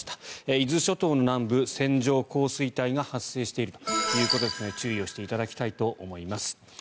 伊豆諸島の南部線状降水帯が発生しているということで注意をしていただきたいと思います。